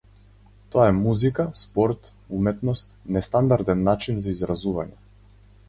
Тоа е музика, спорт, уметност, нестандарден начин за изразување.